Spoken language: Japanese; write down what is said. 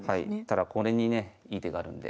ただこれにねいい手があるんで。